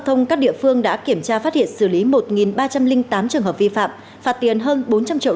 thông các địa phương đã kiểm tra phát hiện xử lý một ba trăm linh tám trường hợp vi phạm phạt tiền hơn bốn trăm linh triệu